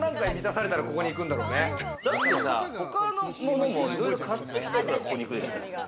だってさ、他のものもいろいろ買ってきてから、ここに来るじゃん。